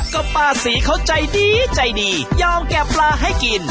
ก็ป้าศรีเขาใจดีใจดียอมแกะปลาให้กิน